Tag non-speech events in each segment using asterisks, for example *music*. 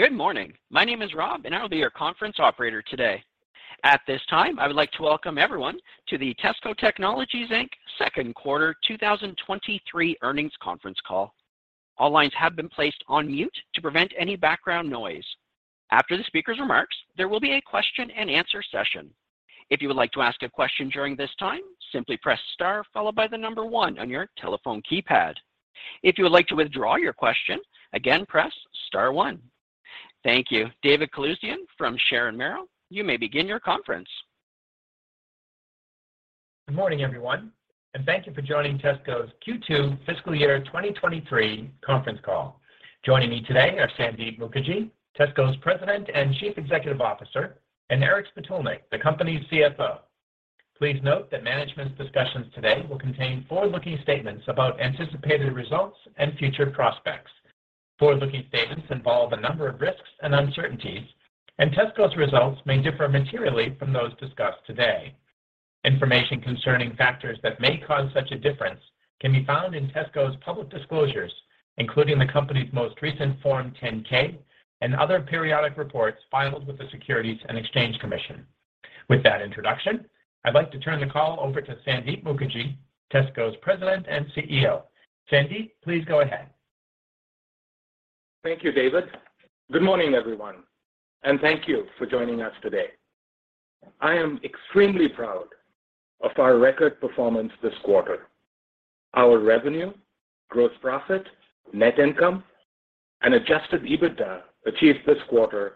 Good morning. My name is Rob, and I'll be your conference operator today. At this time, I would like to welcome everyone to the TESSCO Technologies Inc. second quarter 2023 earnings conference call. All lines have been placed on mute to prevent any background noise. After the speaker's remarks, there will be a question-and-answer session. If you would like to ask a question during this time, simply press star followed by the number one on your telephone keypad. If you would like to withdraw your question, again, press star one. Thank you. David Calusdian from Sharon Merrill, you may begin your conference. Good morning, everyone, and thank you for joining TESSCO's Q2 fiscal year 2023 conference call. Joining me today are Sandip Mukerjee, TESSCO's President and Chief Executive Officer, and Aric Spitulnik, the company's CFO. Please note that management's discussions today will contain forward-looking statements about anticipated results and future prospects. Forward-looking statements involve a number of risks and uncertainties, and TESSCO's results may differ materially from those discussed today. Information concerning factors that may cause such a difference can be found in TESSCO's public disclosures, including the company's most recent Form 10-K and other periodic reports filed with the Securities and Exchange Commission. With that introduction, I'd like to turn the call over to Sandip Mukerjee, TESSCO's President and CEO. Sandip, please go ahead. Thank you, David. Good morning, everyone, and thank you for joining us today. I am extremely proud of our record performance this quarter. Our revenue, gross profit, net income, and adjusted EBITDA achieved this quarter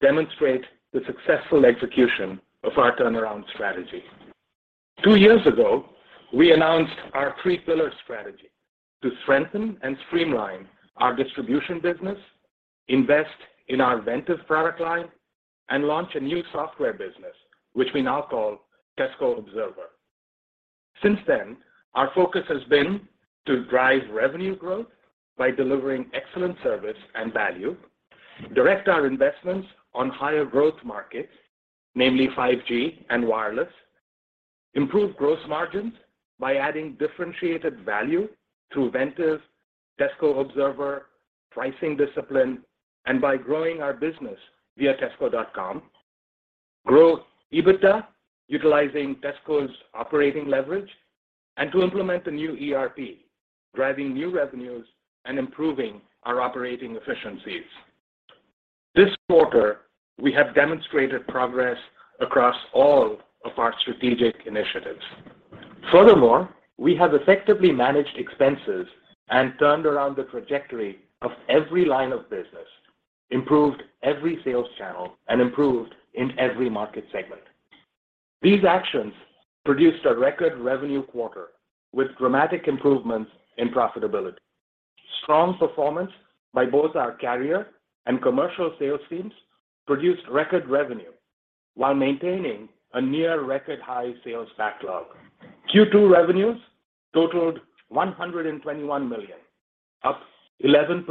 demonstrate the successful execution of our turnaround strategy. Two years ago, we announced our three-pillar strategy to strengthen and streamline our distribution business, invest in our Ventev product line, and launch a new software business, which we now call TESSCO Observer. Since then, our focus has been to drive revenue growth by delivering excellent service and value, direct our investments on higher growth markets, namely 5G and wireless, improve gross margins by adding differentiated value through Ventev, TESSCO Observer, pricing discipline, and by growing our business via tessco.com, grow EBITDA utilizing TESSCO's operating leverage and to implement the new ERP, driving new revenues and improving our operating efficiencies. This quarter, we have demonstrated progress across all of our strategic initiatives. Furthermore, we have effectively managed expenses and turned around the trajectory of every line of business, improved every sales channel, and improved in every market segment. These actions produced a record revenue quarter with dramatic improvements in profitability. Strong performance by both our Carrier and Commercial sales teams produced record revenue while maintaining a near record high sales backlog. Q2 revenues totaled $121 million, up 11%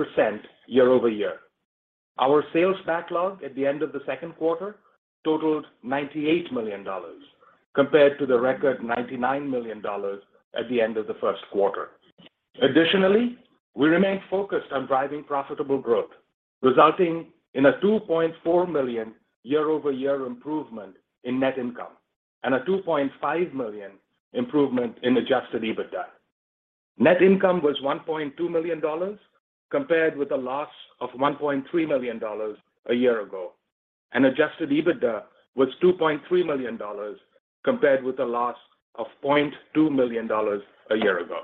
year-over-year. Our sales backlog at the end of the second quarter totaled $98 million compared to the record $99 million at the end of the first quarter. Additionally, we remain focused on driving profitable growth, resulting in a $2.4 million year-over-year improvement in net income and a $2.5 million improvement in adjusted EBITDA. Net income was $1.2 million compared with a loss of $1.3 million a year ago, and adjusted EBITDA was $2.3 million compared with a loss of $0.2 million a year ago.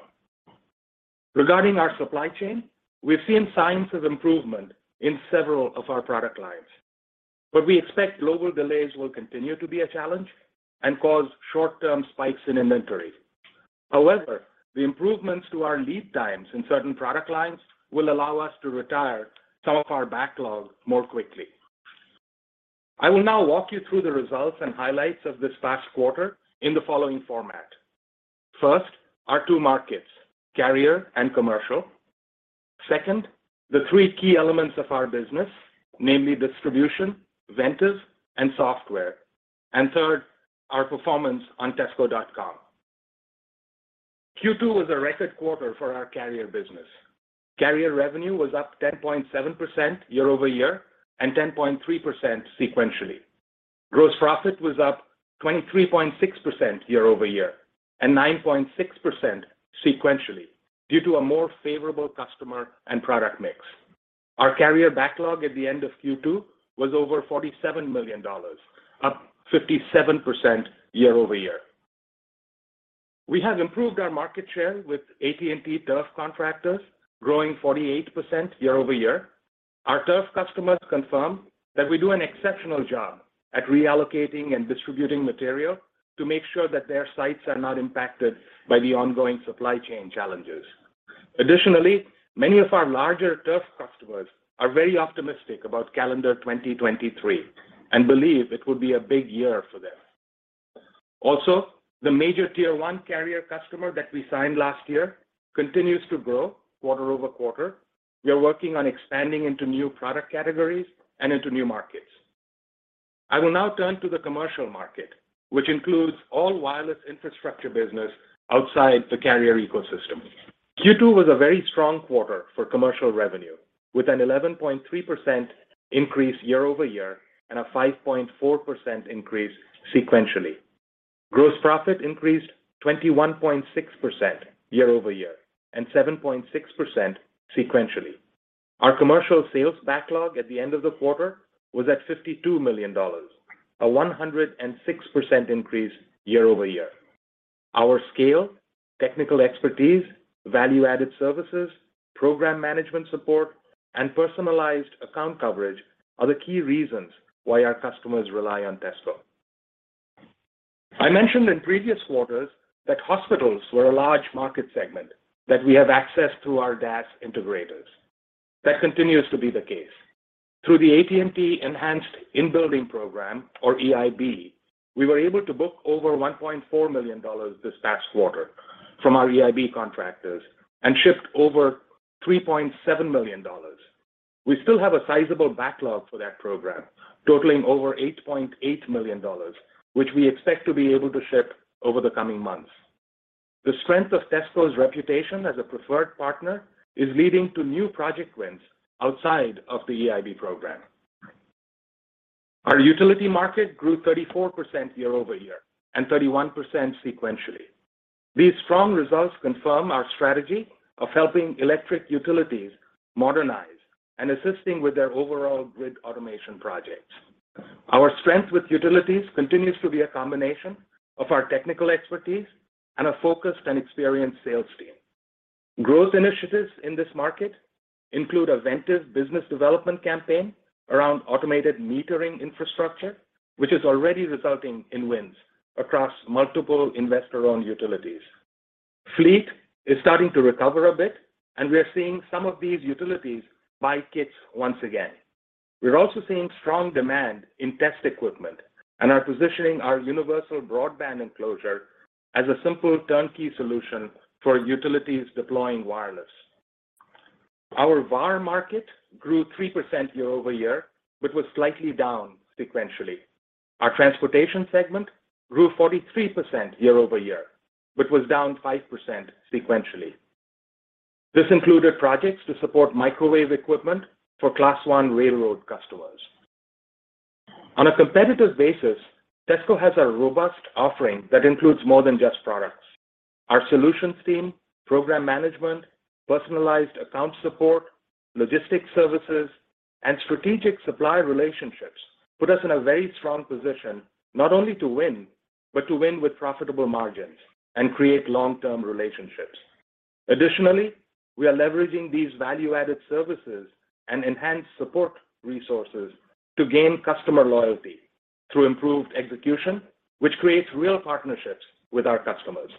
Regarding our supply chain, we've seen signs of improvement in several of our product lines, but we expect global delays will continue to be a challenge and cause short-term spikes in inventory. However, the improvements to our lead times in certain product lines will allow us to retire some of our backlog more quickly. I will now walk you through the results and highlights of this past quarter in the following format. First, our two markets, Carrier and Commercial. Second, the three key elements of our business, namely distribution, Ventev, and software. Third, our performance on tessco.com. Q2 was a record quarter for our Carrier business. Carrier revenue was up 10.7% year-over-year and 10.3% sequentially. Gross profit was up 23.6% year-over-year and 9.6% sequentially due to a more favorable customer and product mix. Our Carrier backlog at the end of Q2 was over $47 million, up 57% year-over-year. We have improved our market share with AT&T turf contractors, growing 48% year-over-year. Our turf customers confirm that we do an exceptional job at reallocating and distributing material to make sure that their sites are not impacted by the ongoing supply chain challenges. Additionally, many of our larger turf customers are very optimistic about calendar 2023 and believe it will be a big year for them. Also, the major tier one Carrier customer that we signed last year continues to grow quarter-over-quarter. We are working on expanding into new product categories and into new markets. I will now turn to the Commercial market, which includes all wireless infrastructure business outside the Carrier ecosystem. Q2 was a very strong quarter for Commercial revenue, with an 11.3% increase year-over-year and a 5.4% increase sequentially. Gross profit increased 21.6% year-over-year and 7.6% sequentially. Our Commercial sales backlog at the end of the quarter was $52 million, a 106% increase year-over-year. Our scale, technical expertise, value-added services, program management support, and personalized account coverage are the key reasons why our customers rely on TESSCO. I mentioned in previous quarters that hospitals were a large market segment, that we have access to our DAS integrators. That continues to be the case. Through the AT&T Enhanced In-Building program, or EIB, we were able to book over $1.4 million this past quarter from our EIB contractors and shipped over $3.7 million. We still have a sizable backlog for that program, totaling over $8.8 million, which we expect to be able to ship over the coming months. The strength of TESSCO's reputation as a preferred partner is leading to new project wins outside of the EIB program. Our utility market grew 34% year-over-year and 31% sequentially. These strong results confirm our strategy of helping electric utilities modernize and assisting with their overall grid automation projects. Our strength with utilities continues to be a combination of our technical expertise and a focused and experienced sales team. Growth initiatives in this market include a Ventev business development campaign around automated metering infrastructure, which is already resulting in wins across multiple investor-owned utilities. Fleet is starting to recover a bit, and we are seeing some of these utilities buy kits once again. We're also seeing strong demand in test equipment and are positioning our universal broadband enclosure as a simple turnkey solution for utilities deploying wireless. Our VAR market grew 3% year-over-year but was slightly down sequentially. Our transportation segment grew 43% year-over-year but was down 5% sequentially. This included projects to support microwave equipment for Class I railroad customers. On a competitive basis, TESSCO has a robust offering that includes more than just products. Our solutions team, program management, personalized account support, logistics services, and strategic supply relationships put us in a very strong position not only to win, but to win with profitable margins and create long-term relationships. Additionally, we are leveraging these value-added services and enhanced support resources to gain customer loyalty through improved execution, which creates real partnerships with our customers.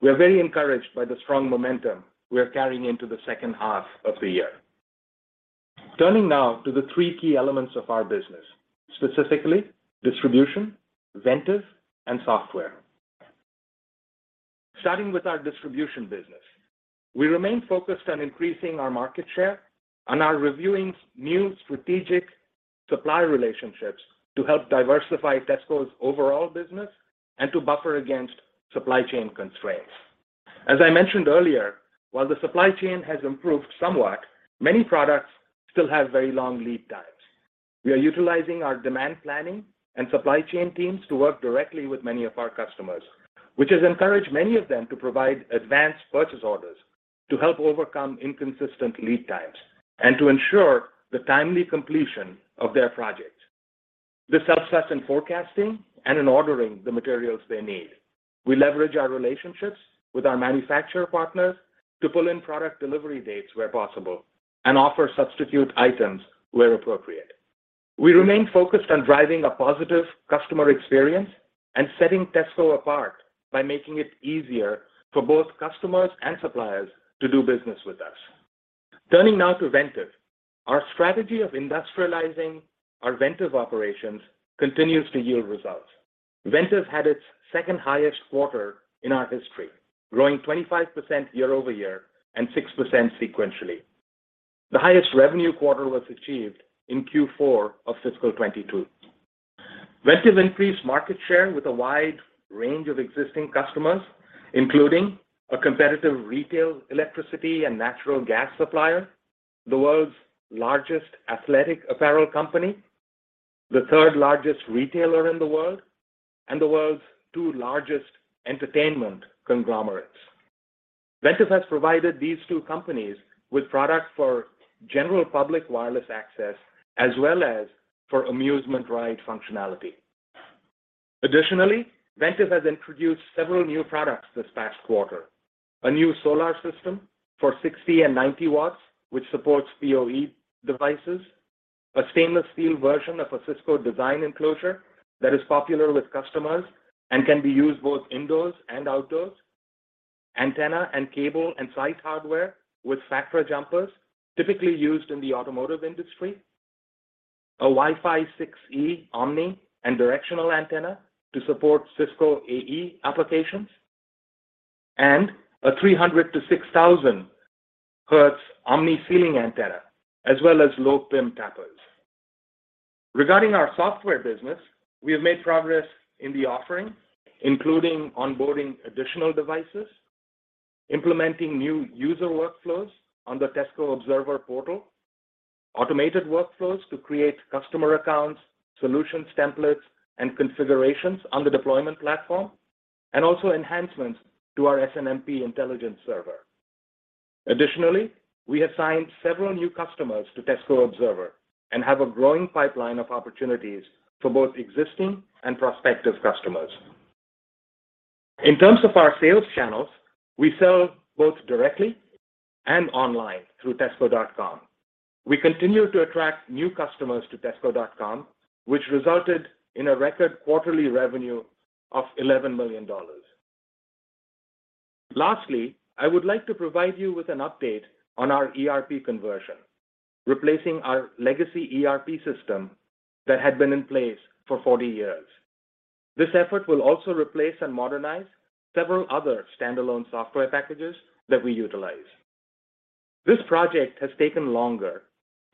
We are very encouraged by the strong momentum we are carrying into the second half of the year. Turning now to the three key elements of our business, specifically distribution, Ventev, and software. Starting with our distribution business, we remain focused on increasing our market share and are reviewing new strategic supply relationships to help diversify TESSCO's overall business and to buffer against supply chain constraints. As I mentioned earlier, while the supply chain has improved somewhat, many products still have very long lead times. We are utilizing our demand planning and supply chain teams to work directly with many of our customers, which has encouraged many of them to provide advanced purchase orders to help overcome inconsistent lead times and to ensure the timely completion of their projects. This helps us in forecasting and in ordering the materials they need. We leverage our relationships with our manufacturer partners to pull in product delivery dates where possible and offer substitute items where appropriate. We remain focused on driving a positive customer experience and setting TESSCO apart by making it easier for both customers and suppliers to do business with us. Turning now to Ventev. Our strategy of industrializing our Ventev operations continues to yield results. Ventev had its second highest quarter in our history, growing 25% year-over-year and 6% sequentially. The highest revenue quarter was achieved in Q4 of fiscal 2022. Ventev increased market share with a wide range of existing customers, including a competitive retail electricity and natural gas supplier, the world's largest athletic apparel company, the third-largest retailer in the world, and the world's two largest entertainment conglomerates. Ventev has provided these two companies with products for general public wireless access as well as for amusement ride functionality. Additionally, Ventev has introduced several new products this past quarter. A new solar system for 60 and 90 watts, which supports PoE devices. A stainless steel version of a Cisco-designed enclosure that is popular with customers and can be used both indoors and outdoors. Antenna and cable and site hardware with *audio distortion* jumpers typically used in the automotive industry. A Wi-Fi 6E omni and directional antenna to support Cisco AE applications. A 300-6,000 hertz omni ceiling antenna, as well as low PIM tappers. Regarding our software business, we have made progress in the offering, including onboarding additional devices, implementing new user workflows on the TESSCO Observer portal, automated workflows to create customer accounts, solutions templates, and configurations on the deployment platform, and also enhancements to our SNMP intelligence server. Additionally, we have signed several new customers to TESSCO Observer and have a growing pipeline of opportunities for both existing and prospective customers. In terms of our sales channels, we sell both directly and online through tessco.com. We continue to attract new customers to tessco.com, which resulted in a record quarterly revenue of $11 million. Lastly, I would like to provide you with an update on our ERP conversion, replacing our legacy ERP system that had been in place for 40 years. This effort will also replace and modernize several other standalone software packages that we utilize. This project has taken longer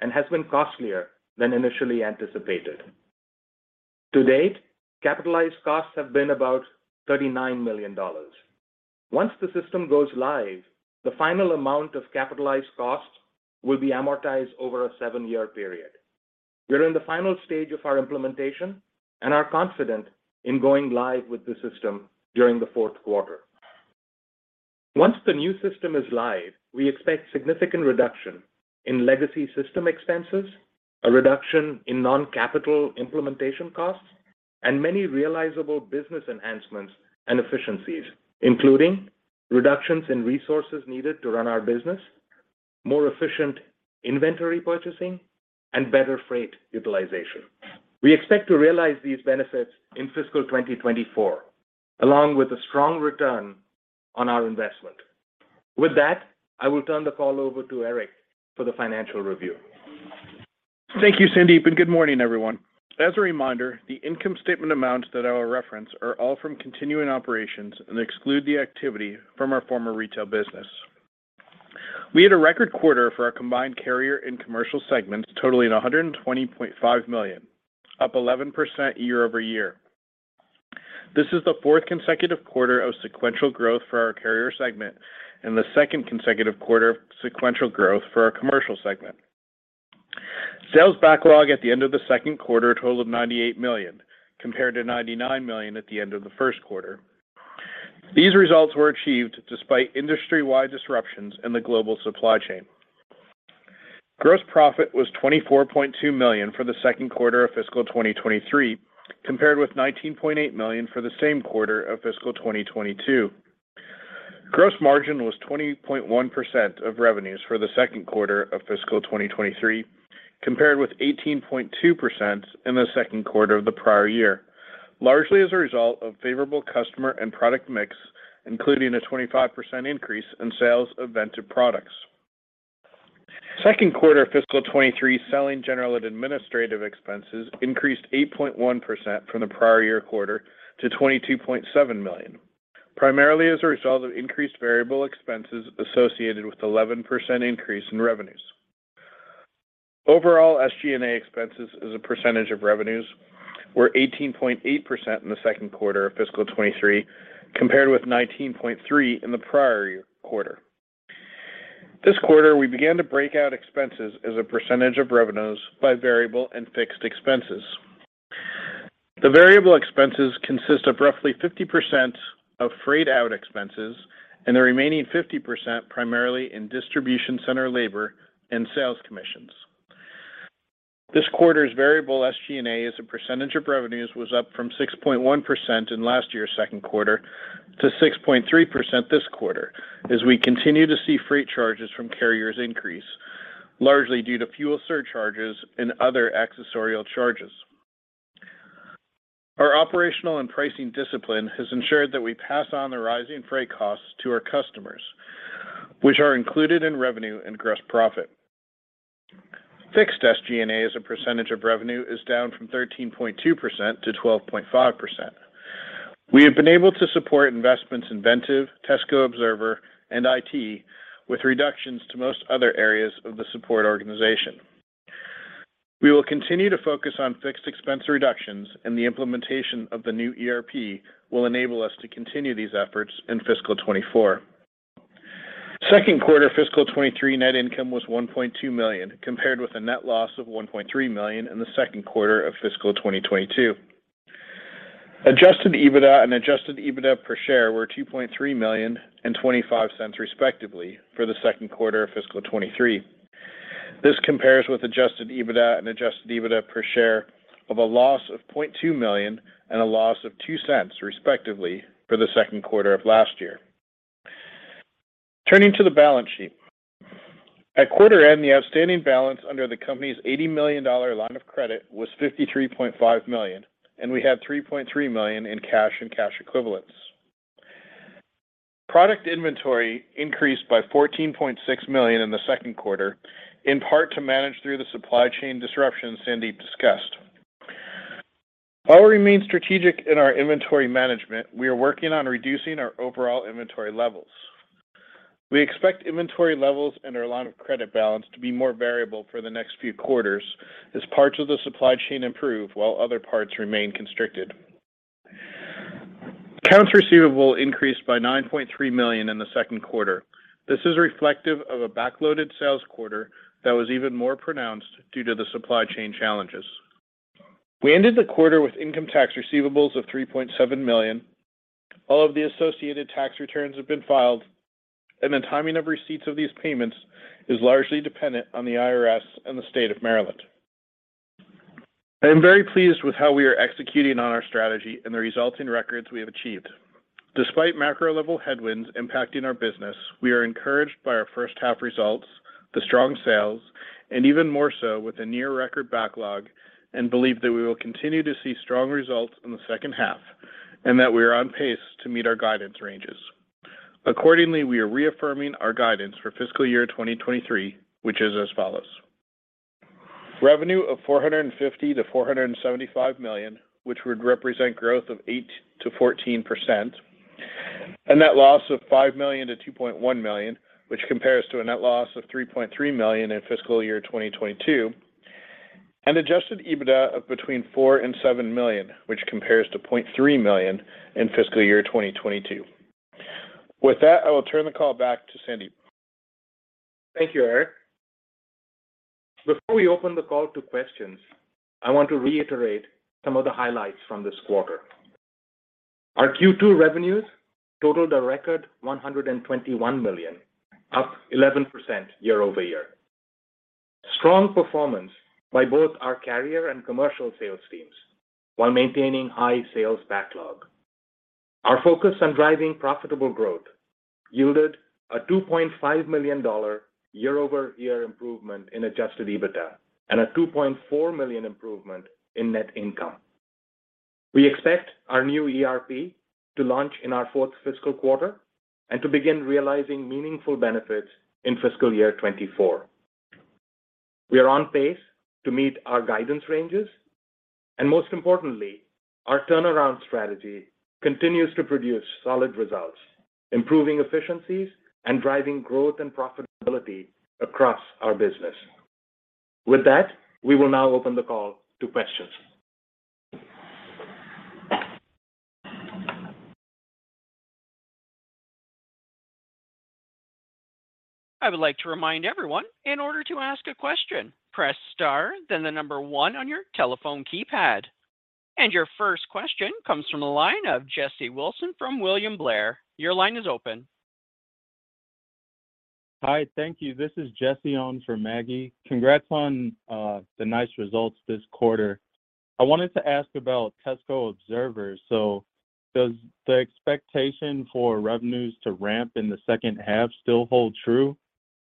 and has been costlier than initially anticipated. To date, capitalized costs have been about $39 million. Once the system goes live, the final amount of capitalized costs will be amortized over a seven-year period. We are in the final stage of our implementation and are confident in going live with the system during the fourth quarter. Once the new system is live, we expect significant reduction in legacy system expenses, a reduction in non-capital implementation costs, and many realizable business enhancements and efficiencies, including reductions in resources needed to run our business, more efficient inventory purchasing, and better freight utilization. We expect to realize these benefits in fiscal 2024, along with a strong return on our investment. With that, I will turn the call over to Aric for the financial review. Thank you, Sandip, and good morning, everyone. As a reminder, the income statement amounts that I will reference are all from continuing operations and exclude the activity from our former retail business. We had a record quarter for our combined Carrier and Commercial segments totaling $120.5 million, up 11% year-over-year. This is the fourth consecutive quarter of sequential growth for our Carrier segment and the second consecutive quarter of sequential growth for our Commercial segment. Sales backlog at the end of the second quarter totaled $98 million, compared to $99 million at the end of the first quarter. These results were achieved despite industry-wide disruptions in the global supply chain. Gross profit was $24.2 million for the second quarter of fiscal 2023, compared with $19.8 million for the same quarter of fiscal 2022. Gross margin was 20.1% of revenues for the second quarter of fiscal 2023, compared with 18.2% in the second quarter of the prior year, largely as a result of favorable customer and product mix, including a 25% increase in sales of Ventev products. Second quarter fiscal 2023 selling general and administrative expenses increased 8.1% from the prior year quarter to $22.7 million, primarily as a result of increased variable expenses associated with 11% increase in revenues. Overall, SG&A expenses as a percentage of revenues were 18.8% in the second quarter of fiscal 2023, compared with 19.3% in the prior year quarter. This quarter, we began to break out expenses as a percentage of revenues by variable and fixed expenses. The variable expenses consist of roughly 50% of freight out expenses and the remaining 50% primarily in distribution center labor and sales commissions. This quarter's variable SG&A as a percentage of revenues was up from 6.1% in last year's second quarter to 6.3% this quarter as we continue to see freight charges from carriers increase, largely due to fuel surcharges and other accessorial charges. Our operational and pricing discipline has ensured that we pass on the rising freight costs to our customers, which are included in revenue and gross profit. Fixed SG&A as a percentage of revenue is down from 13.2% to 12.5%. We have been able to support investments in Ventev, TESSCO Observer, and IT with reductions to most other areas of the support organization. We will continue to focus on fixed expense reductions, and the implementation of the new ERP will enable us to continue these efforts in fiscal 2024. Second quarter fiscal 2023 net income was $1.2 million, compared with a net loss of $1.3 million in the second quarter of fiscal 2022. Adjusted EBITDA and adjusted EBITDA per share were $2.3 million and $0.25, respectively, for the second quarter of fiscal 2023. This compares with adjusted EBITDA and adjusted EBITDA per share of a loss of $0.2 million and a loss of $0.02, respectively, for the second quarter of last year. Turning to the balance sheet. At quarter end, the outstanding balance under the company's $80 million line of credit was $53.5 million, and we had $3.3 million in cash and cash equivalents. Product inventory increased by $14.6 million in the second quarter, in part to manage through the supply chain disruptions Sandip discussed. While we remain strategic in our inventory management, we are working on reducing our overall inventory levels. We expect inventory levels and our line of credit balance to be more variable for the next few quarters as parts of the supply chain improve while other parts remain constricted. Accounts receivable increased by $9.3 million in the second quarter. This is reflective of a back-loaded sales quarter that was even more pronounced due to the supply chain challenges. We ended the quarter with income tax receivables of $3.7 million. All of the associated tax returns have been filed, and the timing of receipts of these payments is largely dependent on the IRS and the state of Maryland. I am very pleased with how we are executing on our strategy and the resulting records we have achieved. Despite macro level headwinds impacting our business, we are encouraged by our first half results, the strong sales, and even more so with a near record backlog, and believe that we will continue to see strong results in the second half and that we are on pace to meet our guidance ranges. Accordingly, we are reaffirming our guidance for fiscal year 2023, which is as follows. Revenue of $450 million-$475 million, which would represent growth of 8%-14%. A net loss of $5 million-$2.1 million, which compares to a net loss of $3.3 million in fiscal year 2022. Adjusted EBITDA of between $4 million and $7 million, which compares to $0.3 million in fiscal year 2022. With that, I will turn the call back to Sandip. Thank you, Aric. Before we open the call to questions, I want to reiterate some of the highlights from this quarter. Our Q2 revenues totaled a record $121 million, up 11% year-over-year. Strong performance by both our Carrier and Commercial sales teams while maintaining high sales backlog. Our focus on driving profitable growth yielded a $2.5 million year-over-year improvement in adjusted EBITDA and a $2.4 million improvement in net income. We expect our new ERP to launch in our fourth fiscal quarter and to begin realizing meaningful benefits in fiscal year 2024. We are on pace to meet our guidance ranges, and most importantly, our turnaround strategy continues to produce solid results, improving efficiencies and driving growth and profitability across our business. With that, we will now open the call to questions. I would like to remind everyone, in order to ask a question, press star, then the number one on your telephone keypad. Your first question comes from the line of Jesse Wilson from William Blair. Your line is open. Hi. Thank you. This is Jesse on for Maggie. Congrats on the nice results this quarter. I wanted to ask about TESSCO Observer. Does the expectation for revenues to ramp in the second half still hold true?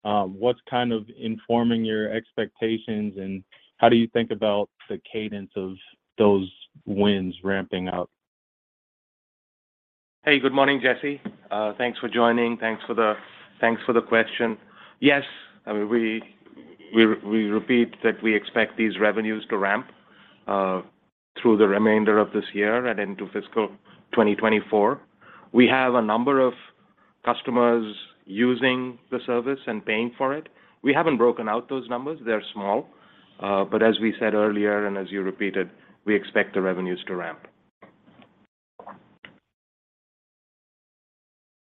What's kind of informing your expectations, and how do you think about the cadence of those wins ramping up? Hey, good morning, Jesse. Thanks for joining. Thanks for the question. Yes, I mean, we repeat that we expect these revenues to ramp through the remainder of this year and into fiscal 2024. We have a number of customers using the service and paying for it. We haven't broken out those numbers. They're small. As we said earlier, and as you repeated, we expect the revenues to ramp.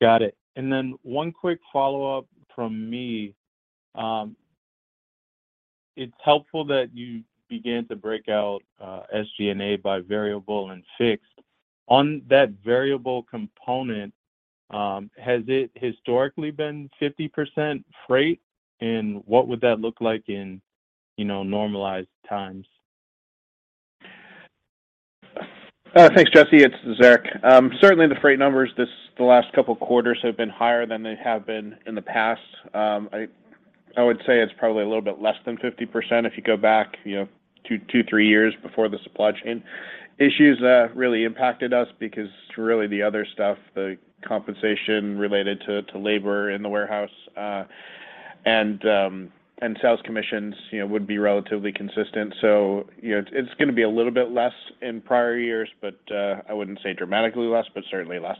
Got it. One quick follow-up from me. It's helpful that you began to break out SG&A by variable and fixed. On that variable component, has it historically been 50% freight, and what would that look like in normalized times? Thanks, Jesse. It's Aric. Certainly, the freight numbers the last couple quarters have been higher than they have been in the past. I would say it's probably a little bit less than 50% if you go back two, three years before the supply chain issues really impacted us because really the other stuff, the compensation related to labor in the warehouse, and sales commissions would be relatively consistent. It's gonna be a little bit less in prior years, but I wouldn't say dramatically less, but certainly less.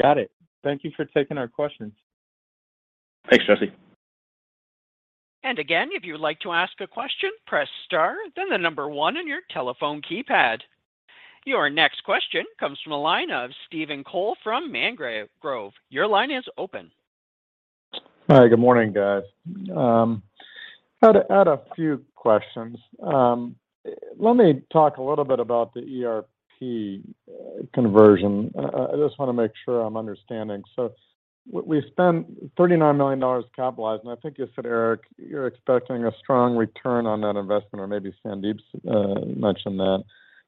Got it. Thank you for taking our questions. Thanks, Jesse. Again, if you would like to ask a question, press star, then the number one on your telephone keypad. Your next question comes from the line of Stephen Cole from Mangrove. Your line is open. Hi. Good morning, guys. Had a few questions. Let me talk a little bit about the ERP conversion. I just wanna make sure I'm understanding. We spent $39 million capitalizing. I think you said, Aric, you're expecting a strong return on that investment, or maybe Sandip mentioned that.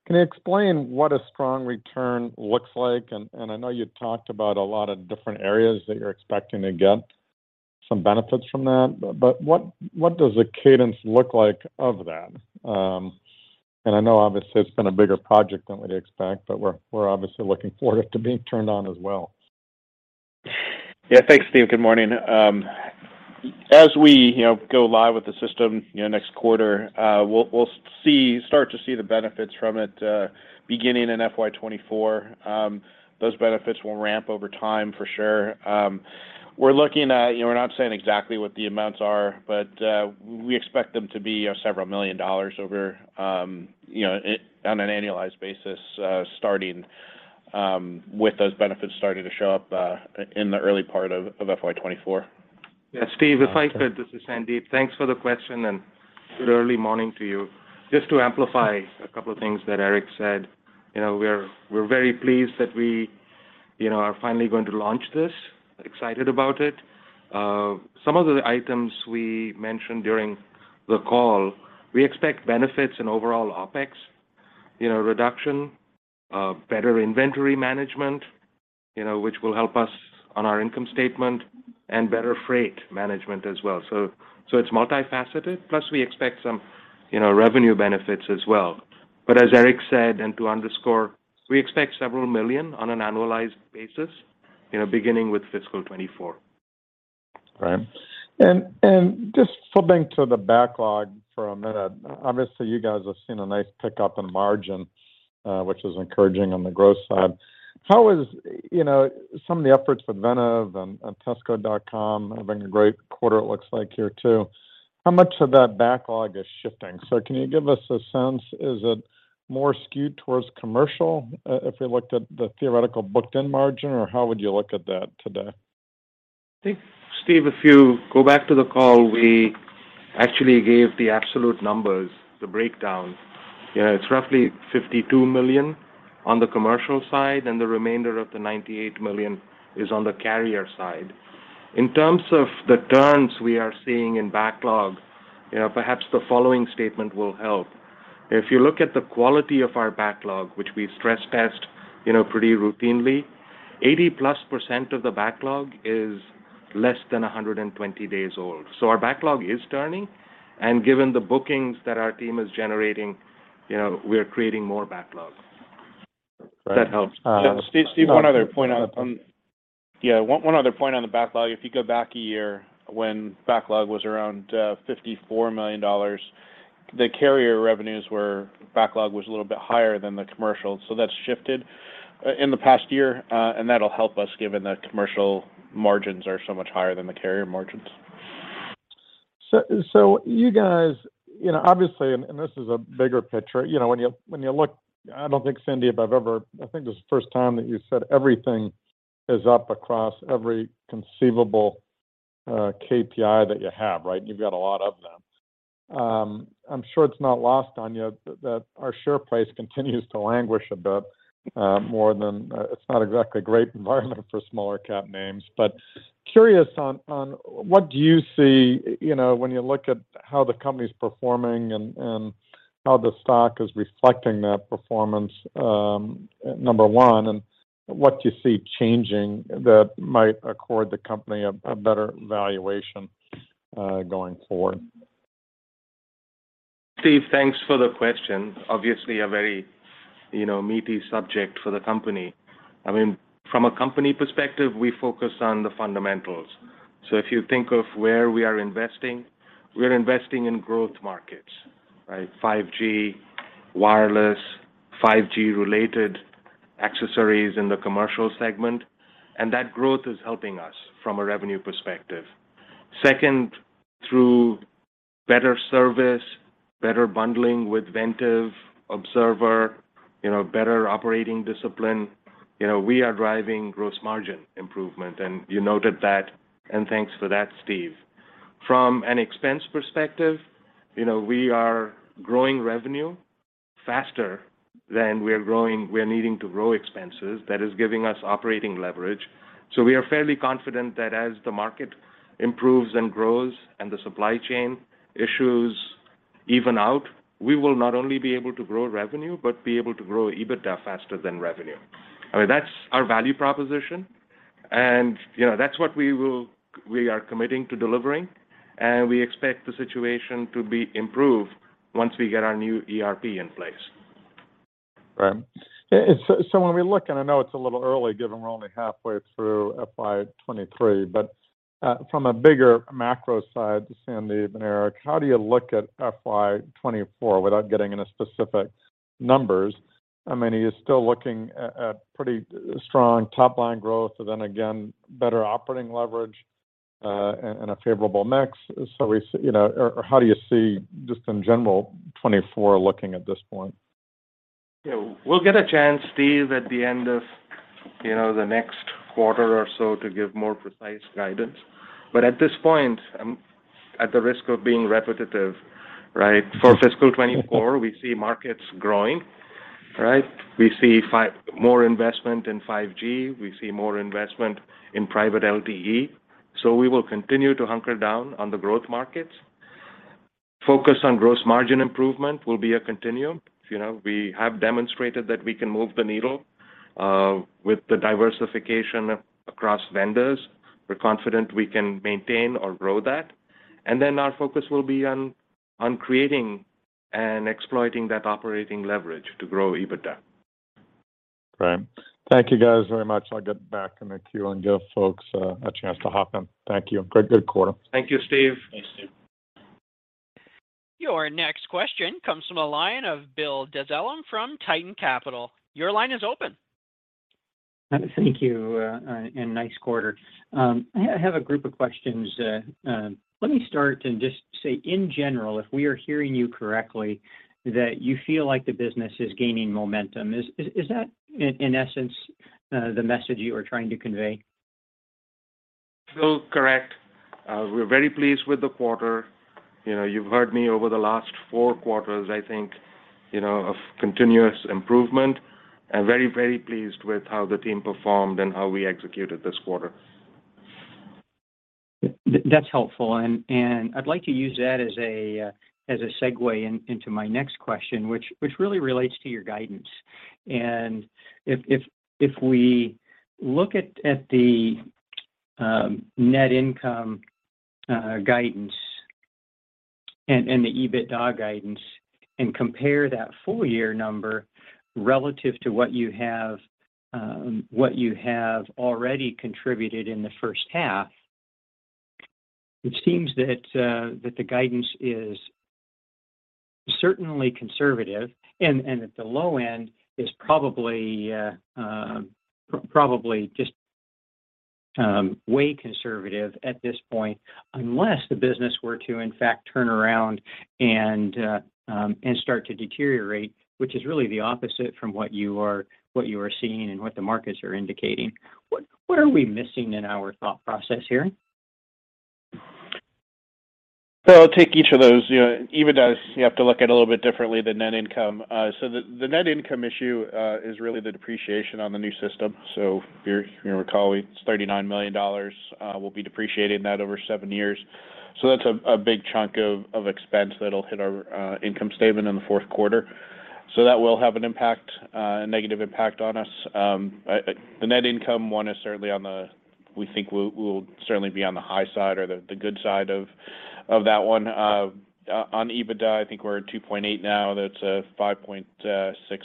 Can you explain what a strong return looks like? I know you talked about a lot of different areas that you're expecting to get some benefits from that, but what does the cadence look like of that? I know, obviously, it's been a bigger project than we'd expect, but we're obviously looking forward to being turned on as well. Yeah. Thanks, Steve. Good morning. As we, you know, go live with the system, next quarter, we'll start to see the benefits from it, beginning in FY24. Those benefits will ramp over time for sure. We're not saying exactly what the amounts are, but we expect them to be several million dollars over on an annualized basis, starting with those benefits starting to show up in the early part of FY24. Yeah, Stephen, if I could. This is Sandip. Thanks for the question and good early morning to you. Just to amplify a couple of things that Aric said, we're very pleased that we are finally going to launch this and excited about it. Some of the items we mentioned during the call, we expect benefits and overall OpEx, reduction, better inventory management, which will help us on our income statement, and better freight management as well. It's multifaceted. Plus, we expect some revenue benefits as well. As Aric said, and to underscore, we expect several million on an annualized basis, beginning with fiscal 2024. Right. Just flipping to the backlog for a minute. Obviously, you guys have seen a nice pickup in margin, which is encouraging on the growth side. How is some of the efforts with Ventev and tessco.com have been a great quarter it looks like here too. How much of that backlog is shifting? Can you give us a sense, is it more skewed towards Commercial, if we looked at the theoretical booked in margin, or how would you look at that today? I think, Stephen, if you go back to the call, we actually gave the absolute numbers, the breakdown. It's roughly $52 million on the Commercial side, and the remainder of the $98 million is on the Carrier side. In terms of the turns we are seeing in backlog, perhaps the following statement will help. If you look at the quality of our backlog, which we stress test, pretty routinely, 80%+ of the backlog is less than 120 days old. Our backlog is turning, and given the bookings that our team is generating, we are creating more backlog. Right. If that helps. Steve, one other point on the backlog. If you go back a year when backlog was around $54 million, the Carrier revenues were, backlog was a little bit higher than the Commercial. That's shifted in the past year, and that'll help us given that Commercial margins are so much higher than the Carrier margins. You guys, you know, obviously, this is a bigger picture. When you look, I think this is the first time that you said everything is up across every conceivable KPI that you have, right? You've got a lot of them. I'm sure it's not lost on you that our share price continues to languish a bit more than. It's not exactly a great environment for small-cap names. Curious on what do you see when you look at how the company's performing and how the stock is reflecting that performance, number one, and what do you see changing that might accord the company a better valuation going forward? Steve, thanks for the question. Obviously, a very meaty subject for the company. I mean, from a company perspective, we focus on the fundamentals. If you think of where we are investing, we're investing in growth markets, right? 5G, wireless, 5G-related accessories in the Commercial segment, and that growth is helping us from a revenue perspective. Second, through better service, better bundling with Ventev, Observer, better operating discipline, we are driving gross margin improvement, and you noted that, and thanks for that, Steve. From an expense perspective, we are growing revenue faster than we're needing to grow expenses. That is giving us operating leverage. We are fairly confident that as the market improves and grows and the supply chain issues even out, we will not only be able to grow revenue, but be able to grow EBITDA faster than revenue. I mean, that's our value proposition and that's what we are committing to delivering, and we expect the situation to be improved once we get our new ERP in place. Right. So when we look, and I know it's a little early given we're only halfway through FY 2023, but from a bigger macro side, Sandip and Aric, how do you look at FY 2024 without getting into specific numbers? I mean, are you still looking at pretty strong top-line growth and then again, better operating leverage, and a favorable mix? You know, or how do you see just in general 2024 looking at this point? Yeah. We'll get a chance, Steve, at the end of the next quarter or so to give more precise guidance. At this point, at the risk of being repetitive, right, for fiscal 2024, we see markets growing, right? We see more investment in 5G, we see more investment in private LTE. We will continue to hunker down on the growth markets. Focus on gross margin improvement will be a continuum. We have demonstrated that we can move the needle with the diversification across vendors. We're confident we can maintain or grow that. Then our focus will be on creating and exploiting that operating leverage to grow EBITDA. Right. Thank you guys very much. I'll get back in the queue and give folks a chance to hop in. Thank you. Great, good quarter. Thank you, Stephen. Thanks, Steve. Your next question comes from a line of Bill Dezellem from Tieton Capital. Your line is open. Thank you, and nice quarter. I have a group of questions. Let me start and just say, in general, if we are hearing you correctly, that you feel like the business is gaining momentum. Is that in essence the message you are trying to convey? Bill, correct. We're very pleased with the quarter. You've heard me over the last four quarters, I think of continuous improvement, and very, very pleased with how the team performed and how we executed this quarter. That's helpful. I'd like to use that as a segue into my next question, which really relates to your guidance. If we look at the net income guidance and the EBITDA guidance and compare that full year number relative to what you have already contributed in the first half, it seems that the guidance is certainly conservative, and at the low end is probably just way conservative at this point, unless the business were to, in fact, turn around and start to deteriorate, which is really the opposite from what you are seeing and what the markets are indicating. What are we missing in our thought process here? I'll take each of those. You know, EBITDA, you have to look at a little bit differently, the net income. The net income issue is really the depreciation on the new system. If you recall, it's $39 million. We'll be depreciating that over seven years. That's a big chunk of expense that'll hit our income statement in the fourth quarter. That will have an impact, a negative impact on us. The net income one is certainly. We think it will certainly be on the high side or the good side of that one. On EBITDA, I think we're at $2.8 now. That's a $5.6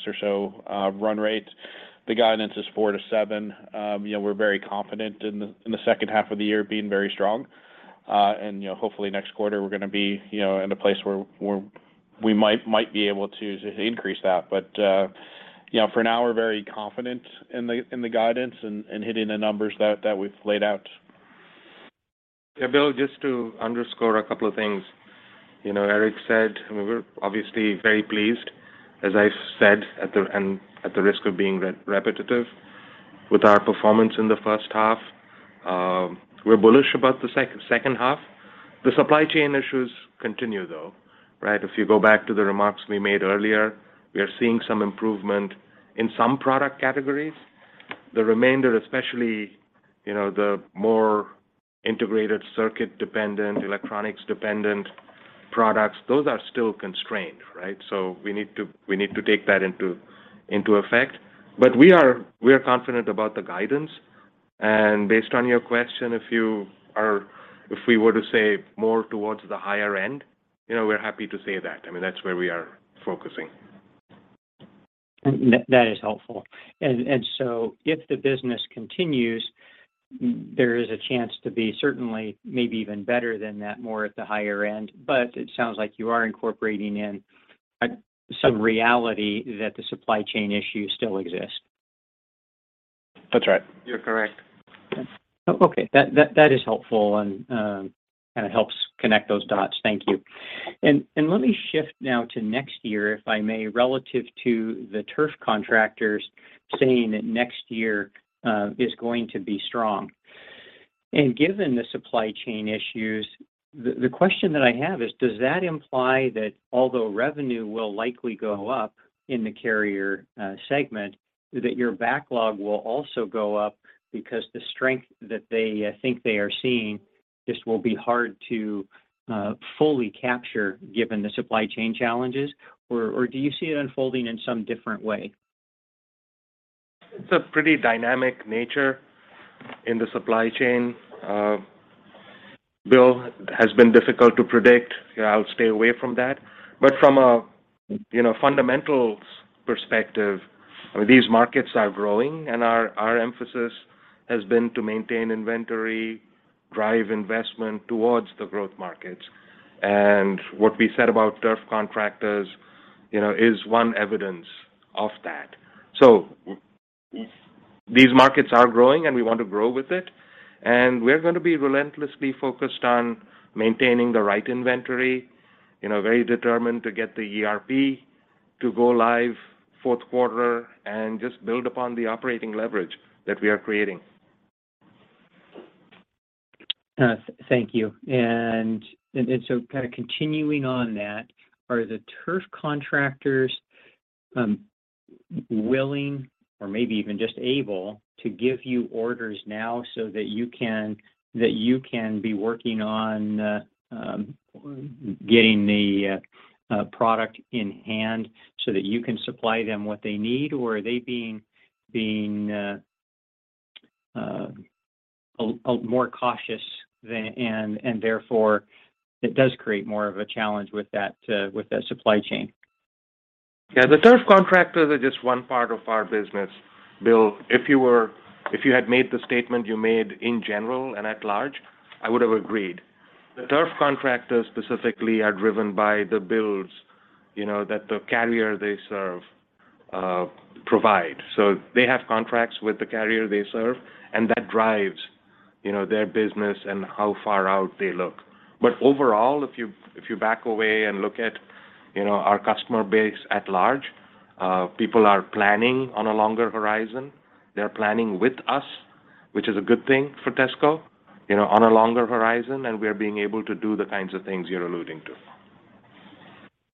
or so run rate. The guidance is $4-$7. We're very confident in the second half of the year being very strong. Hopefully next quarter we're gonna be in a place where we might be able to increase that. For now, we're very confident in the guidance and hitting the numbers that we've laid out. Yeah, Bill, just to underscore a couple of things. Aric said we're obviously very pleased, as I've said, and at the risk of being repetitive, with our performance in the first half. We're bullish about the second half. The supply chain issues continue, though, right? If you go back to the remarks we made earlier, we are seeing some improvement in some product categories. The remainder, especially the more integrated circuit-dependent, electronics-dependent products, those are still constrained, right? So we need to take that into effect. But we are confident about the guidance. Based on your question, if we were to say more towards the higher end, we're happy to say that. I mean, that's where we are focusing. That is helpful. If the business continues, there is a chance to be certainly maybe even better than that, more at the higher end. It sounds like you are incorporating in some reality that the supply chain issue still exists. That's right. You're correct. Okay. That is helpful and kinda helps connect those dots. Thank you. Let me shift now to next year, if I may, relative to the turf contractors saying that next year is going to be strong. Given the supply chain issues, the question that I have is, does that imply that although revenue will likely go up in the Carrier segment, that your backlog will also go up because the strength that they think they are seeing just will be hard to fully capture given the supply chain challenges? Or do you see it unfolding in some different way? It's a pretty dynamic nature in the supply chain. Bill, it has been difficult to predict. I'll stay away from that. From a fundamentals perspective, these markets are growing and our emphasis has been to maintain inventory, drive investment towards the growth markets. What we said about turf contractors is one evidence of that. These markets are growing, and we want to grow with it, and we're gonna be relentlessly focused on maintaining the right inventory, very determined to get the ERP to go live fourth quarter and just build upon the operating leverage that we are creating. Thank you. Kinda continuing on that, are the turf contractors willing or maybe even just able to give you orders now so that you can be working on getting the product in hand so that you can supply them what they need, or are they being more cautious, and therefore it does create more of a challenge with that supply chain? Yeah. The turf contractors are just one part of our business, Bill. If you had made the statement you made in general and at large, I would have agreed. The turf contractors specifically are driven by the builds, that the carrier they serve provide. They have contracts with the carrier they serve, and that drives their business and how far out they look. Overall, if you back away and look at our customer base at large, people are planning on a longer horizon. They're planning with us, which is a good thing for TESSCO on a longer horizon, and we are being able to do the kinds of things you're alluding to.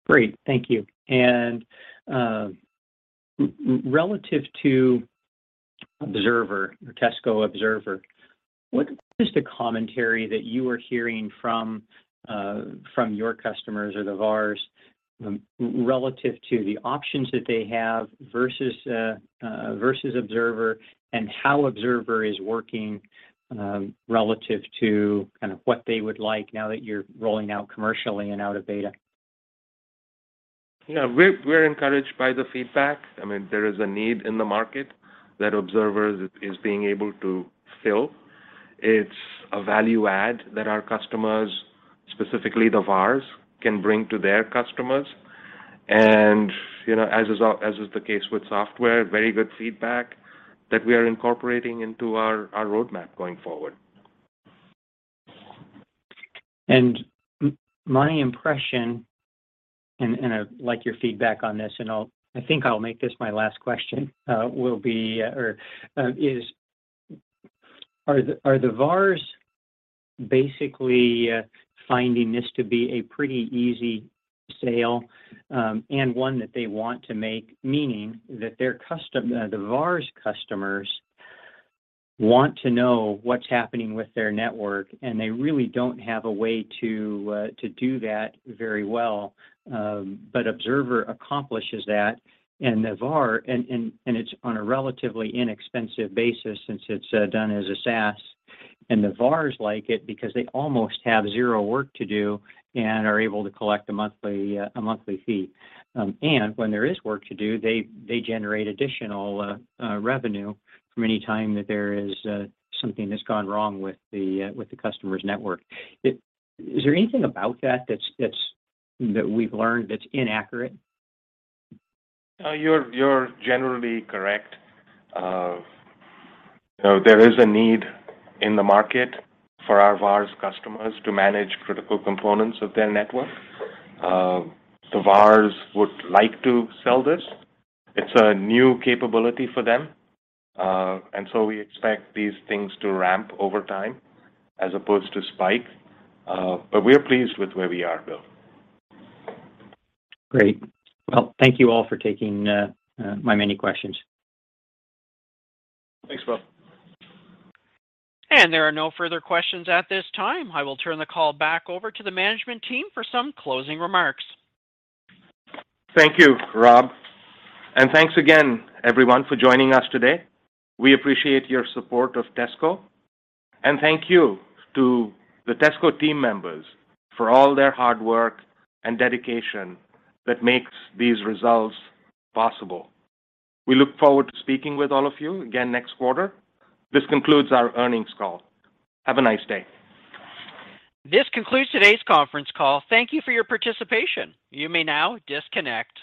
Great. Thank you. Relative to Observer, TESSCO Observer, what is the commentary that you are hearing from your customers or the VARs relative to the options that they have versus Observer and how Observer is working relative to what they would like now that you're rolling out commercially and out of beta? We're encouraged by the feedback. I mean, there is a need in the market that Observer is being able to fill. It's a value add that our customers, specifically the VARs, can bring to their customers. As is the case with software, very good feedback that we are incorporating into our roadmap going forward. My impression, I'd like your feedback on this. I think I'll make this my last question. Are the VARs basically finding this to be a pretty easy sale and one that they want to make, meaning that the VARs customers want to know what's happening with their network, and they really don't have a way to do that very well. But Observer accomplishes that and the VAR and it's on a relatively inexpensive basis since it's done as a SaaS. The VARs like it because they almost have zero work to do and are able to collect a monthly fee. When there is work to do, they generate additional revenue from any time that there is something that's gone wrong with the customer's network. Is there anything about that that's that we've learned that's inaccurate? You're generally correct. There is a need in the market for our VARs customers to manage critical components of their network. The VARs would like to sell this. It's a new capability for them, and so we expect these things to ramp over time as opposed to spike. We're pleased with where we are, Bill. Great. Well, thank you all for taking my many questions. Thanks, Bill. There are no further questions at this time. I will turn the call back over to the management team for some closing remarks. Thank you, Rob, and thanks again everyone for joining us today. We appreciate your support of TESSCO. Thank you to the TESSCO team members for all their hard work and dedication that makes these results possible. We look forward to speaking with all of you again next quarter. This concludes our earnings call. Have a nice day. This concludes today's conference call. Thank you for your participation. You may now disconnect.